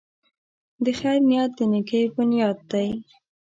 د خیر نیت د نېکۍ بنیاد دی.